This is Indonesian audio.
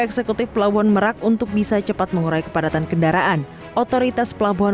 eksekutif pelabuhan merak untuk bisa cepat mengurai kepadatan kendaraan otoritas pelabuhan